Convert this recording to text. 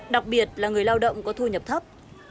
đặc biệt là người lao động có thu nhập thấp